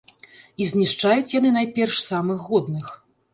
І знішчаюць яны найперш самых годных.